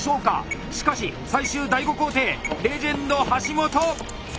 しかし最終第５工程レジェンド橋本！